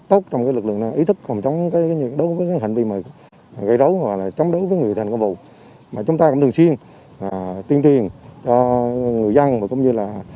trú cùng thôn nai nỉ để được thông chốt nhưng bất thành